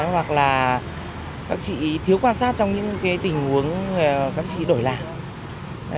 hoặc là các chị thiếu quan sát trong những tình huống các chị đổi làm